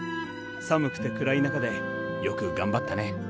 寒くてくらい中でよくがんばったね。